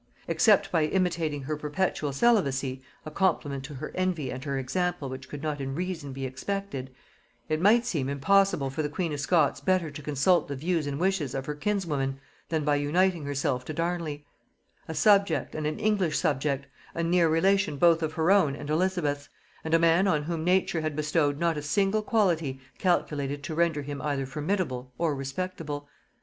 Except by imitating her perpetual celibacy, a compliment to her envy and her example which could not in reason be expected, it might seem impossible for the queen of Scots better to consult the views and wishes of her kinswoman than by uniting herself to Darnley; a subject, and an English subject, a near relation both of her own and Elizabeth's, and a man on whom nature had bestowed not a single quality calculated to render him either formidable or respectable.